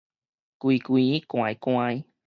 懷懷捾捾